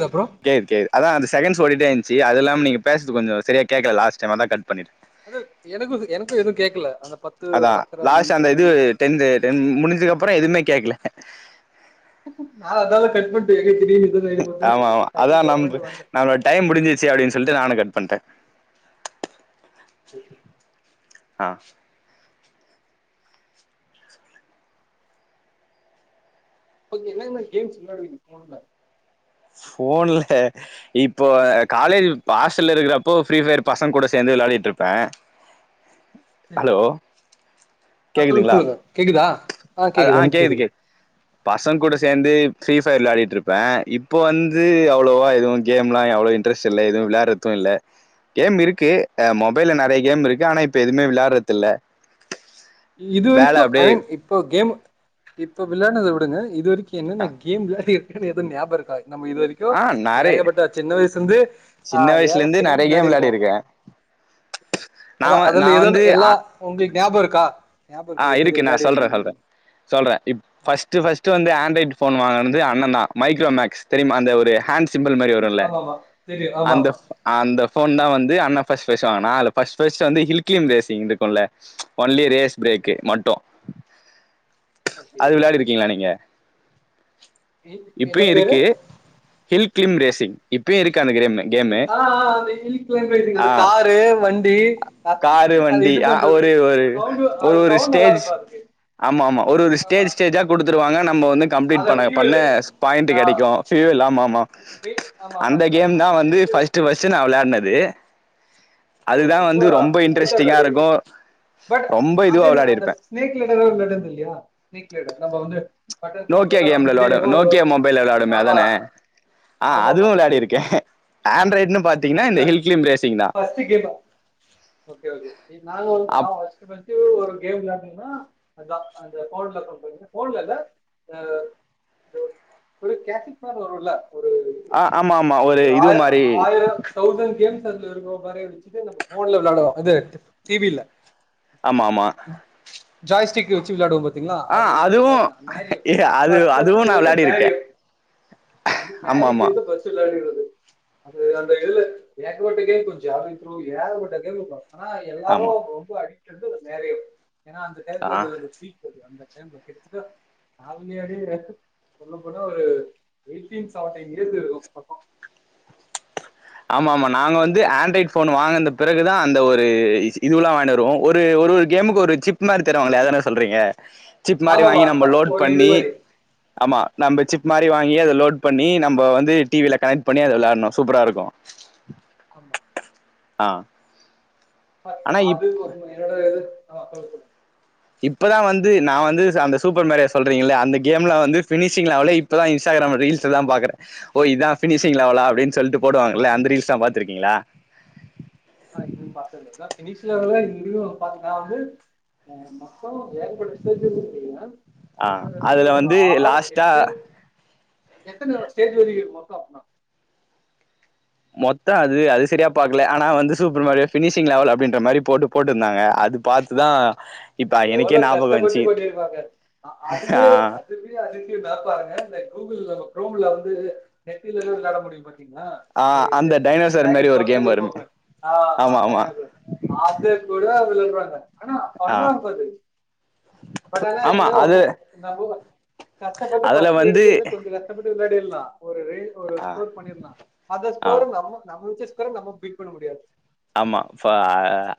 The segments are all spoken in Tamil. கப்றோ சேர் சேர் அதா அந்த செகண்ட்ஸ் ஓடிட்டே இன்ச்சி அதில்லாம நீங்க பேசது கொஞ்சொ செரியா கேக்ல லாஸ்ட் டைம் அதா கட் பண்ணிட்டே அது எனக்கு எனக்கு எது கேக்ல அந்த பத்து அதா பத்ர லாஸ்ட் அந்த இது நிம்ஷத்துக்கப்றமா டென்த் டென் முடிஞ்சதுக்கப்றோ எதுமே கேக்ல நா அதால கட் பண்ட்டே எங்க திடீர்னு இது ரைடு பாத்தேன்னு ஆமாமா அதா டக்குன்னு கட் நம்பு பண்ட்டு வந்தே நால்வாட்டி டைம் முடிஞ்சிச்சு அப்டின் சொல்ட்டு நானு கட் பண்ட்டே ஆ ஒங்களுக்கு என்னென்ன கேம்ஸ் வெளாடுவீங்க ஃபோன்ல ஃபோன்ல இப்ப காலேஜு ஆஸ்டல்ல இருக்றப்போ ஃப்ரீ ஃபயர் பசங்கூட சேந்து வெளயாடிட்ருப்பே சரி ஹலோ ஆ சொல்லுங்க கேக்குதுங்ளா சொல்லுங்க கேக்குதா அது ஆ கேக்குது கே பசங்கூட சேந்து ஃப்ரீ ஃபயர் வெளயாடிட்ருப்பே இப்போ வந்து அவ்ளோவா எதுவு கேம்லா அவ்ளோ இன் ட்ரெஸ்ட் இல்ல எதுவு வெளயாட்றது இல்ல கேம் இருக்கு அ மொபைல்ல நறைய கேம் இருக்கு ஆனா இப்ப எதுமே விளாட்றதில்ல இது வரைக்கு ஐ மீன் இப்போ கேம் இப்போ விளயாட்னத விடுங்க இது வரை க்கி அ என்னென்ன கேம் விளாடிருக்கன் எது ஞாபோருக்கா நம்ம இது வரை க்யு ஆ நெறை ஏகப்பட்ட சின்ன வய்சுந்து ஆ சின்ன வயசுல இருந்து ஏகப்பட்ட கேம் நெறைய விளாடிருக்கோ விளையாடி இருக்கே நா அதா வ நா அதுல எதொன்னு வந்து ஆ எல்லா உங்ளுக் ஞாபோருக்கா ஆ இருக்கு நா சொல்றே சொல்றே சொல்றே இ ஆ ஃபர்ஸ்ட்டு ஃபர்ஸ்ட்டு வந்து ஆன்ட்ராய்டு ஃபோன் வாங்குனது அண்ணே தா மைக்ரோ மேக்ஸ் தெரிமா அந்த ஒரு ஹேண்ட் சிம்பிள் மாரி வ ருல ஆமா ஆமா தெரியு ஆமா அந்த ஆமா அந்த போன் தா வந்து அண்ண ஃபர்ஸ்ட் பேசுவாங்க நா அதுல ஃபர்ஸ்ட் ஃபர்ஸ்ட் வந்து ஹில்கிலியும் ரேசிங்னு இருக்குல்ல ஒன்லி ரேஸ் பிரேக்கு மட்டு ஓகே அது வெளயாடி இருக்கீங்களா நீங்க என்ன இப்பயு பேரு இருக்கு ஹில் கிளிம் ரேசிங் இப்பயு இருக்கு அந்த கிரேமு ஆ ஆ அந்த ஹில் கிளிம் ரேசிங் அந்த காரு வண்டி பாத் ரு வண்டி ஆ ஒரே ஒரு ஒரு அது ஒரு சவுண்ட் நல்லா ஸ்டேஜ் இருக்கு அதுக்கு ஆமா ஆமா ஒரு ஒரு ஆமா ஸ்டேஜ் ஸ்டேஜா குடுத்துருவாங்க நம்ம வந்து கம்ப்ளீட் அத பண்ண பண்ண ஃபியூவலு ஸ் பாயிண்ட் ஆ கெடைக்கு ஃபூயல் ஆமா ஆமா ஆமா ஆமா அந்த கேம் தா சரி வந்து சரி ஃபஸ்ட் டு ஃபஸ்டு நா விளாடினது அதுதா வந்து ரொம்ப இன்ட்ரெஸ்ட்டிங்கா இருக்கு ரொம் அதென்ன அந்த ஸ்நேக் லேடர் வெளாடுனதுல்லயா ஸ்நேக் லேடர் நம வந்து பட்டன் போன்ல நோக்கியோ எல்லாம் கேம்ல அமுக்கிட்டே விளாடு இருப்போ அது நோக்கியோ ஒரு- மொபைல்ல விளாடுமே ஆமா அதானே ஆ ஆமா ஆமா அதுவு விளாடி அது இருக்கே ஆண்ட்ராய்டுன்னு பாத்தீங்கன்னா இந்த ஹில் கிளிம் ரேசிங் தா து ஹேமா ஓகே ஓகே எ நாங்க ஒ அப் நாங்க ஃபஸ்ட் டு வந்து ஒரு கேம் விளாடுனோனா அதுதா அந்த போன்ல [inaudible] போன்லல்ல நது வந்து ஒரு கேத்திக் மாரி வரு இல்ல ஒரு ஆ ஆமா ஆமா ஒரு இது மாரி டு தௌசண்ட் கேம்ஸ் அதுல இருக்கு கொறையவச்சுட்டு நம்ம போன்ல விளாடுவோ அது டிவில ஆமா ஆமா ஜாய்ஸ்டிக் வச்சி வெளாடுவோ பத் திங்களா ஆ அதுல அதுவு விளாட்லா மரியோ ஏ அது ஃபர்ஸ்ட் ஃபர்ஸ்ட் அதுவு நா [unintelligible] விளாடி இருக்கே பரியோ து ஆமா ஃபரீ ஆமா கேம் தா ஃபஸ்ட் விளாடிரது அது அந்த இல் ஏக பட்ட கேம் கொஞ்சோ [unintelligible] ஏக பட்ட கேம் இருக்கோ ஆனா எல்லாரு ஆமா ரொம்ப அடிக்ட் அந்த மரியோ ஏனா அந்த ஆ டயத்துல அது ஒரு ஃபீல் அது அந்த டைம்ல கெஸ்ட்ரா நா வெள்யாடி [inaudible] சொல்ல போன ஒரு எய்ட்டீன் செவன்ட்டீன் இயர்ஸ் இருக்கு பக்கோ ஆமா ஆமா நாங்க வந்து ஆண்ட்ராய்ட் போன் வாங்கனது பிறகுதா அந்த ஒரு இஸு இதுவெல்லா வாங்கிண்டு வருவோ ஒரு ஒரு கேமுக்கு ஒரு சிப் மாரி தருவாங்களே அதான சொல்றீங்க சிப் மாரி ஆமாமா வாங்கி அது நம்ம ஃபர்ஸ்ட் லோட் ஒரு இது பண்ணி மாரி ஆமா நம்ப சிப் மாரி வாங்கி அத லோட் பண்ணி நம்ப வந்து டிவில கனெக்ட் பண்ணி அத விளாட்ணு சூப்பரா இருக்கு ஆமா ஆ பாத்து ஆனா இப் அது கொர்ணு என்னோட எது [unintelligible] இப்பதா வந்து நா வந்து ச அந்த சூப்பர் மேரியோ சொல்றீங்கல்லயா அந்த கேம்ல வந்து பினிஷிங் லெவலே இப் இப்பதா இஸ்டாகிராம்ல ரீல்ஸ்ல தா பாக்றே ஓ இதா ஃபினிஷிங் லெவலா அப்படின் சொல்ட்டு போடுவாங்கல்ல அந்த ரீல்ஸ்லா பாத்திருக்கீங்களா ஆ நீ பாத்ததுதா ஃபினிஷ் லெவல்லா வீடியோ பாத்து நா வந்து ஆமா மோ ஏகப்பட்ட ஸ்டேஜ் இன்னு இருக்குங்ளா ஆ அதுல வந்து லாஸ்டா எத்தன லெவல் ஸ்டேஜ் வரயு இருக்கு மொத்தோ நா மொத்தோ அது அது சரியா பாக்கல ஆனா வந்து சூப்பர் மாரியோ ஃபினிஷிங் லெவல் அப்படின்ற மாரி போடு போட்டுருந்தாங்க அது பாத்துதா இப்ப எவ்ளோ எனக்கே ஞாபகோ கஷ்டப்பட்டு வந்துச்சு கொட்டிருப்பாங்க ஆ ஆ அதுவே அ இது ஃப்ரீயா அதிசயத்த பாருங்க இந்த கூகுள் குரோம்ல வந்து நெட் இல்லனா விளாட முடியு பாத்தீங்களா ஆ ஒரு இது அந்த டைனோசர் மாரி ட்ராகன் ஒரு கேம் துரத்திட்டே வருமே போகுமே ஆ ஆமா டைனோசர் அது கூட விழுறாங்க ஆனா ஆ ஃபன்னா இருக்கு அது பட் ஆனா ஆமா என்ன அது நம்மளுதா கஷ்டப்பட்டு அதுல ஃபஸ்ட் வந்து எடுக்குதுனு கொஞ்ச கஷ் சாட்புட்டு விளையாடிர்ளா ஒரு ரே ஒரு ஆ ஸ்கோர் பண்ணிர்லா அத ஆ ஸ்கோர் நம்ம நம்ம வச்சு ஸ்கோர நம்ம பீட் பண்ண முடியாது ஆமா ஃப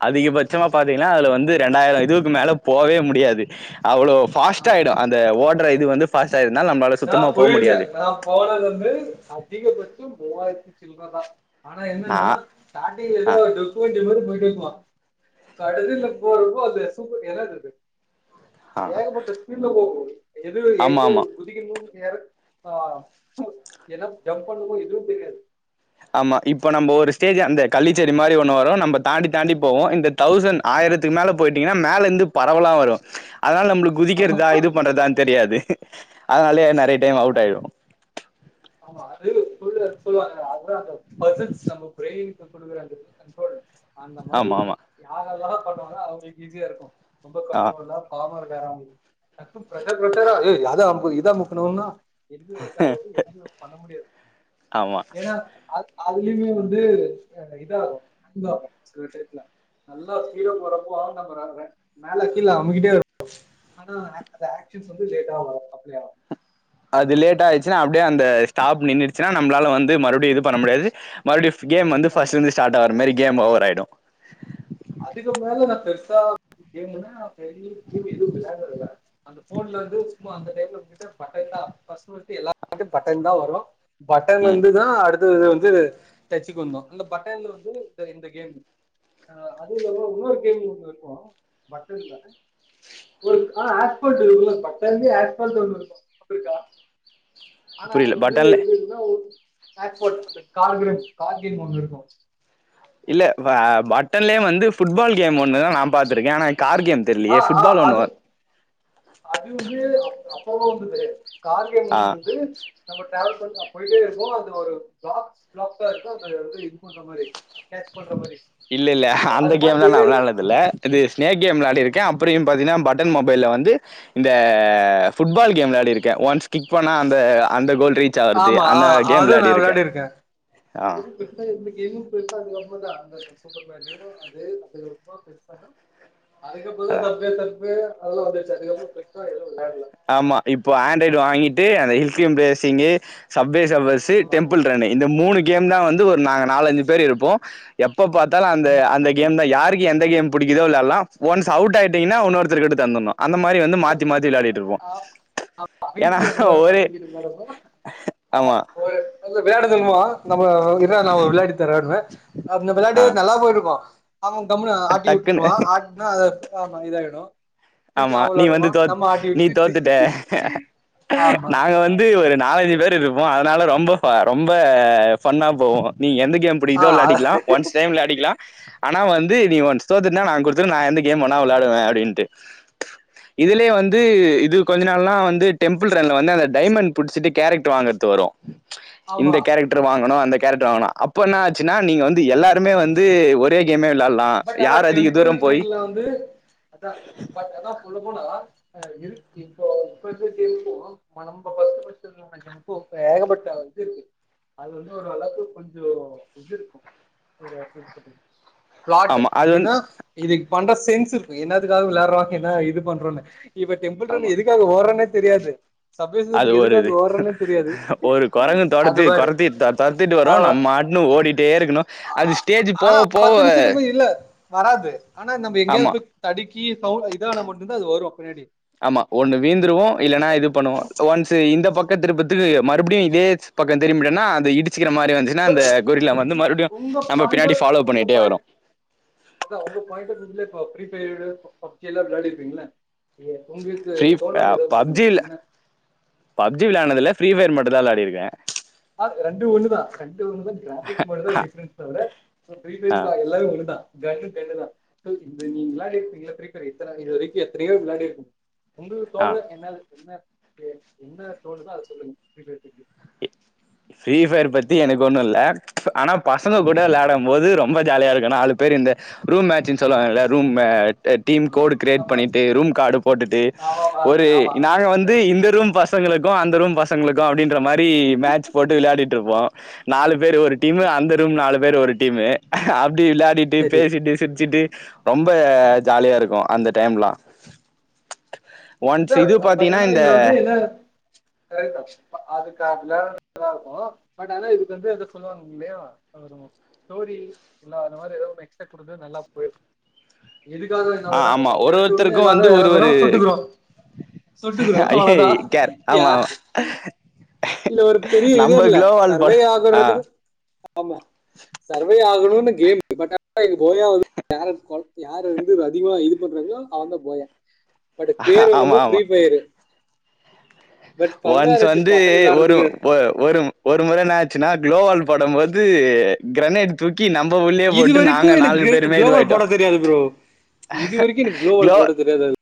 அதிகபட்சமா பாத்தீங்கனா அதுல வந்து ரெண்டாயிர இதுவுக்கு மேல போவே முடியாது அவ்ளோ ஆ ஃபாஸ்ட் ஆயிடு அந்த ஓட்ற இது வந்து ஃபாஸ்ட்டா இருந்தா நம்பால சுத்தமா போ முடியாது போறது வந்து அதிகபச்சோ மூவாயிறத்தி சில்ற தா ஆனா நா என்னனா ஸ்டாடிங்கள ஆ ஏதோ [unintelligible] போயிட்டே இருப்பா கடசில போடுறப்போ அது சூப்ப என்னாது அது ஆ ஏக பட்ட ஸ்பீட்ல போ போறது இதுல ஆமா ஆமா எங்கருந்து குதிக்கு போது நீ வேற ஆ ஏனா ஜம்ப் பண்ணணு எதுவு தெரியாது ஆமா இப்ப நம்ம ஒரு ஸ்டேஜ் அந்த கள்ளிச்செடி மாரி ஒண்ணு வரு நம்ப தாண்டி தாண்டி போவோ இந்த தௌசண்ட் ஆயிரத்துக்கு மேல போயிட்டீங்கனா மேலந்து பறவெல்லா வரு அதனால நம்புளுக் நம்ம குதிக்கிறதா இது பண்றதான் தெரியாது அதனாலயே நெறைய டைம் அவுட் ஆயிடு ஆமா அது சொல்ற சொல்லுவாங்க அதா அந்த மசில்ஸ் நம்ம ப்ரெய்ன் [unintelligible] குடுக்குற அந்த கண்ட்ரோல் அந்த மாதிரி ஆமா ஆமா யாரெல்லா பண்ணுவாங்ளோ அவுங்களுக் ஈஸியா இருக்கு ரொம்ப ஆ கண்ட்ரோலா [unintelligible] ஏ அத அமுக்கு இத அமுக்னுனா எது ஒர்க் ஆகாது எதுமே ஒர்க் பண்ண முடியாது ஆமா ஏனா அ அதுலியுமே வந்து எ இதாகு இதாகும் சில் டைத்துல மேல கீழ அமுகிட்டே இரு ஆனா அ ஆக்சன்ஸ் வந்து லேட்டா வரு அப்டியா அது லேட் ஆயிச்சினா அப்டியே அந்த ஸ்டாப் நின்னுடுச்சினா நம்ளால வந்து மறுபடியு இது பண்ண முடியாது மறுபடிய ஃப் கேம் வந்து ஆமா ஃபஸ்ட்லந்து ஸ்டாட் ஆவற மாரி கேம் ஓவர் ஆயிடு அதுக்கு மேல நா பெர்சா கேமுன்னா பெரிய கேம் எதுவு வெளையான்டதில்ல அந்த ஃபோன்லந்து சும்மா அந்த டைம்ல நின்னுட்டு பட்டன் தா ஃபஸ்ட் ஃபஸ்ட் எல்லா கு பட்டன் தா வரு பட்டன் ம் வந்துதா அடுத்தது வந்து டச்சுக்கு வந்தோ அந்த பட்டன்ல வந்து தா இந்த கேம் ஆ அது [unintelligible] இன்னொரு கேம் ஒண்ணு இருக்கு பட்டன்ல ஒரு ஆ [unintelligible] பட்டன்லே [unintelligible] ஒண்ணு இருக்கு அப்டி இருக்கா ஆனா புரியல அது வந்து பட்டன்ல [unintelligible] அந்த கார் கேம் கார் கேம் ஒன்னு இருக்கு இல்ல அ பட்டன்லயே வந்து ஃபுட்பால் கேம் ஒன்னு நா பாத்திருக்கே ஆனா கார் கேம் ஆ தெரியலையே ஃபுட்பால் அது ஒண்ணு அது வந்து அப் அப்பவோ வந்தது கார் ஆ கேம்ங்கின்னறது நம்ம டிராவல் பண்ணி போயிட்டே இருப்போ அதுல ஒரு பிளாக் பிளாக்கா இருக்கு அது வந்து இது பண்ற மாரி கேட்ச் பண்ற மாரி இல்ல இல்ல அந்த அது பாட்டு கேம்லா நா போயிட்டே இருக்கு வெளானது இல்ல அது ஸ்னேக் கேம் விளாடிருக்கே அப்டியு பார்த்தீனா பட்டன் மொபைல வந்து இந்த ஃபுட்பால் கேம் விளாடிருக்கே ஒன்ஸ் கிக் பண்ணா அந்த அந்த கோல் ரீச் ஆவறது ஆமா ஆ அந்த கேம் அதுவும் விளாடிருக்கே ஆ தே இந்த கேம் பெருசா இருக்கு உண்ம தா அந்த சூப்பர் மேன் ஈரோ அது அது ரொம்ப பெருசானா அதுக்கப்றதா அதா சப்வே சர்பே அதெல்லா வந்துச்சி அதுக்கப்றோ எக்ஸ்ட்ரா எது வெளையாட்ல ஆமா இப்போ ஆண்ட்ராய்டு வாங்கிட்டு அந்த ஹில்தியம் ப்ளேசிங்கு சப்வே சர்பஸு ஆமா டெம்பிள் ரன்னு இந்த மூணு கேம் தா வந்து ஒரு நாங்க நாலு அஞ்சு பேர் இருப்போ எப்ப பாத்தாலு அந்த ஆமா அந்த கேம் தா யாருக் எந்த கேம் புடிக்குதோ வெளையால்லா ஒன்ஸ் அவுட் ஆயிட்டீங்கனா ஒன்னொருத்தருக் கிட்ட தந்துனு அந்த மாரி வந்து மாத்தி மாத்தி விளாடிட் ஆ ஆமா வீட்ல இப்டிதா ஒரே தம்பிக்கிட்ட விளாடுறப்போ ஆமா அந்த விளாயாடுதல் மோ நம்ம ன்ன நா ஒரு விளாடிட் தரன்வே அந்த ஆ வெளையாடு நல்லா போயிட்ருக்கு அவ கம்னு ஆட்டி டக்குன்னு உட்ருவா ஆட்டனா அத ஆமா இதாயிடு திருப்பி ஆமா அவன் நீ விளாடுவா வந்து தோத் நம்ம ஆட்டி நீ விட்டு தோத்துட்ட ஆமா நாங்க வந் து ஒரு நாலஞ்சு பேரு இருப்போ அதனால ரொம்ப பா ரொம்ப ஃபன்னா போவு நீ எந்த கேம் இப்புடி ஆ இது விளாடிக்கலா ஒன்ஸ் டைம் விளாடிக்கலா ஆனா வந்து நீ ஒன்ஸ் தோத்துட்னா நா குடுத்தற நா எந்த கேம் வேண்ணா வெளாடுவ அப்டின்ட்டு இதுலே வந்து இது கொஞ்ச நாள்லா வந்து டெம்பிள் ரன்ல வந்து அந்த டைமண்ட் புடிச்சிட்டு கேரக்ட் வாங்கறது வரு ஆமா இந்த கேரட் ட்டரு வாங்கனு அந்த கேரட் வாங்கனோ அப்ப ஆமா என்னச்சுன்னா நீங்க வந்து எல்லாருமே வந்து ஒரே கேமே விளால் பட் அனா டெம்பிள் ரன்ல வந்து அதா பட் அதா சொல்ல போனா அ எது இப்போ [inaudible] இப்போ ஏகப்பட்ட இது இருக்கு அது வந்து ஒரு அளவுக்கு கொஞ்சோ இது இருக்கு ஒரு அப்கிரேட் [inaudible] பிளாட் ஆமா அது எப்டின்னா வந்து இதுக்கு பண்ற சென்ஸ் இருக்கு என்னத்துக்காக விளாடுறோ என்ன இது பண்றோன்னு இவ டெம்பிள் ஆமா ரன் எதுக்காக ஓடரோனே தெரியாது சப்வே அது சர்ஃப் ஒரு இது எதுக்காக ஓடுறோனே தெரியாது ஒரு கொரங்கு அது தொடத்தி பாரு கொரத்தி த தத் திட்டு வரு ஆமா நம்மாட்டுனு ஓடிட்டே இருக்கணு அது ஸ்டேஜ் போவ போவ இதுக்கு அப்பு இல்ல வராது ஆனா நம்ம ஆமா எங்கயாவது போய் தடுக்கி சவு இதானா மட்டுதா அது வரு பின்னாடி ஆமா ஒண்ணு வீழ்ந்துருவோ இல்லன்னா இது பண்ணுவோ ஒன்ஸ் இந்த பக்கத்திருப்பத்துக்கு மறுபடியு இதே பக்கோ திரும்பிட்டனா அது இடிச்சிக்கிற மாரி வந்துச்சுன்னா அந்த கொரில்லா வந்து மறுபடியு உங்க நம்ப பாயிண்ட் பின்னாடி ஃபாலோ பண்ணிட்டே வரு அது அவுங்க பாயிண்டா இதுல இப்ப ப்ரீபெய்டு பப் பப்ஜியெல்லா விளாடி இருப்பீங்களா ஏ உங்களுக்கு ஃப்ரீ [inaudible] எதாவது சொல்லுங்க பப்ஜில என்ம பப்ஜி விளான்டதுல ஃப்ரீஃபயர் மட்டுதா விளாடிருக்க ஆ ரண்டூ ஒண்ணு தா ரண்டு ஒண்ணு தா கிராஃபிக் மட்டுதா டிஃப்ரென்ஸ் தவிர ஆ [unintelligible] எல்லாரு ஒன்னுதா கன்னு தேடலா [unintelligible] இந்து நீ விளாடி இருப்பீங்கள பிரீப்பரி எத்தன இது வரைக்கு எத்தனையோ விளாடிருக்க உங்களுக்கு ஆ தோனுத என்னாது என்ன பே என்ன தோனுதோ அத சொல்லுங்க [inaudible] ஃப்ரீ ஃபயர் பத்தி எனக் ஒண்ணுல்ல அனா பசங்க கூட விளாடம் போது ரொம்ப ஜாலியா இருக்கு நாலு பேர் இந்த ரூம் மேச்சுன் சொல்லுவாங்கல ரூம் மே அ டீம் ஆமா கோடு கிரியேட் ஆமா பண்ணீட்டு ரூம் கார்டு போட்டுட்டு ஆமா ஒரு ஆமா ஆமா நாங்க வந்து இந்த ரூம் ஃபஸ் சங்களுக்கு அந்த ரூம் பசங்களுக்கு அப்டின்ற மாரி மேட்ச் போட்டு விளயாடிட்ருப்போ நாலு பேர் ஒரு டீமு ஓகே அந்த ரூம் நாலு பேர் ஒரு டீமு அப்டி விளயாடிட் டு சரி பேசிட்டு சிர்ச்சிட்டு ரொம்ப ஜாலியா இருக்கு அந்த டைம்லா ஒன்ஸ் அதா இது பாத்தீங்கன்னா இந்த [unintelligible] ப அதுக் காதுல நல்லா இருக்கு பட் ஆனா இதுக் வந்து எதோ சொல்லுவாங் இல்லயா ஸ்டோரி இல்ல அந்த மாரி எதோ ஒன்னு எக்ஸ்பெக்ட் குடுக்கறது நல்லா போயிறு இதுக்காக என்ன ஆ வேண்ணா ஆமா [inaudible] ஒரு எடுத்தவுடனே ஒருத்தருக்கு வந்து எல்லாரு ஒரு எறங்கறோ ஒரு சுட்டுக்குறோ சுட்டுக்குறோ ஐய அவ்ளதா கேர் யா ஆமா ஆமா இதுல ஒரு பெரிய நம்ம இதர்ல குளோவால் பட சர்வை ஆ ஆகுறதுகு ஆமா சர்வே ஆகணுனு கேம் பட் [inaudible] கேரட் கொல் யாரு வந்து அதிகமா இது பண்றாங்களோ அவங்க போயா படு பேர் ஆமா என்னமோ ஃப்ரீ ஆமா பயரு பட் பண்ணா ரச்சு பா தே ஒரு ஒ ஒரு ஒரு முற என்னாச்சுன்னா குளோவால் போடம்போது கிரனேட் தூக்கி நம்ம உள்ளயே இது போட்டு நாங்க வரைக்கும் நாலு எனக்கு பேருமே குளோபல் இதுவாய்டோ போட தெரியாது ப்ரோ இது வரக்கி எனுக் குளோவால் போட தெரியாது அது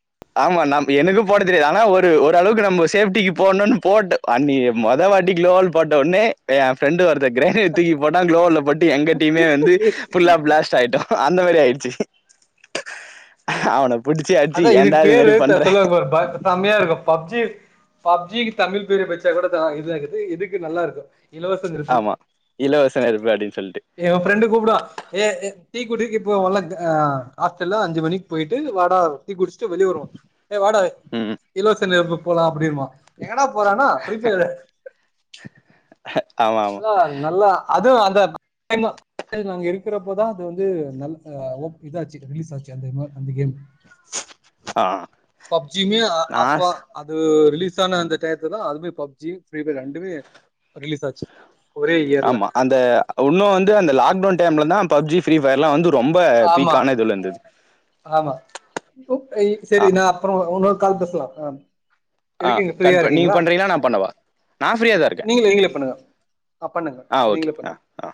ஆமா நம் எனது போட தெரியாது ஆனா ஒரு ஓரள்வுக்கு நம்ம சேஃப்டிக் போட்ணுனு போட்டு அன்னிக்கி மொத வாட்டி குளோல் போட்ட உட்னே ஏ ஃப்ரெண்டு ஒருத்த கிரனர் தூக்கி போட்டா குளோவால பட் எங்க டீமே வந்து புஃல்லா பிளாஸ்ட் ஆய்ட்டோ அந்த மரியாய்டுசு அவன புடிச்சு அடிச்சு அதா ஏன்டா இதுக் இது பேரு மாரி த பண்ற சொல்வாங் பர் பார்த சம்யா இருக்கு பப்ஜி பப்ஜிகு தமிழ் பேரே வச்சா கூட தா இதாக்கிது இதுக்கு நல்லாருக்கு இலவசங்கிருசு ஆமா இலவச நெருப்பு அப்டின்னு சொல்ட்டு ஏ ஃப்ரெண்டு கூப்டுவா ஏ எ டீ குடிக்கி இப்போ வொல்ல ஆ ஆஸ்டல்லா அஞ்சு மணிக் போய்ட்டு வாடா டீ குஸ்ட்டு வெளிய வர்வோ ஏ வாடா ம் இலவச நெருப்புக்கு போலா அப்டிம்பா எங்கடா போறனா ஃபீரி ஃபய்ரு ஆமா ஆமா ல்ல நல்லா அதுவு அந்த [unintelligible] ஏ நாங்க இருக்கிறப்பதா அது வந்து நல்ல அ ஒப் இதாச்சு ரிலீஸ் ஆச்சு அந்த மா அந்த கேமு [inaudible] பப்ஜிமே நா அப்ப அது ரிலீஸ் ஆன அந்த டயத்துதா அதுமே பப்ஜி ஃப்ரீ பய்ர் ரண்டுமே ரிலீஸ் ஆச்சு ஒரே இயர்ல ஆமா அந்த உன்னு வந்து அந்த லாக்டவுன் டைம்ல தா பப்ஜி ஃப்ரீ ஃபய்ர்லா வந்து ரொம்ப ஆமா பீக்கான இதுல இந்தது ஆமா [unintelligible] இ ஆ சரி நா அப்புற உன்னோர் கால் பேச்லா அ ஆ இருக்கீங் ஃப்ரீயா கட் பண் நீங்க இருக்கீங்ளா பண்றீங்களா நா பண்ணவா நா ஃப்ரீயா தா இருக்கே நீங்களே நீங்களே பண்ணுங்க அ பண்ணுங்க ஆ ஓகே நீங்ளே ஆ பண்ணுங் ஆ